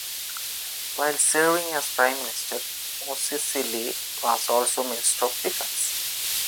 While serving as Prime Minister, Mosisili was also Minister of Defense.